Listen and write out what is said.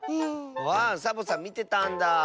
あサボさんみてたんだ。